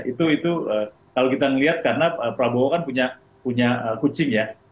itu kalau kita melihat karena prabowo kan punya kucing ya